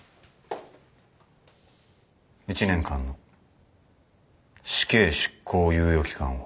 １年間の死刑執行猶予期間を。